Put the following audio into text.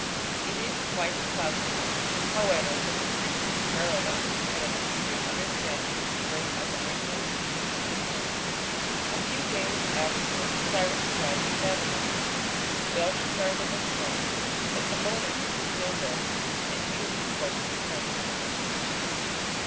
It is quite as possible, however, that the priests of Merodach had a secret understanding with the great Achaemenian, the "King of kings". A few days afterwards Cyrus arrived at Babylon. Belshazzar had been slain, but Nabonidus still lived, and he was deported to Carmania.